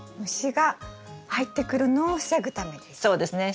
虫が入ってくるのを防ぐためです。